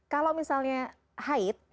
kalau misalnya haid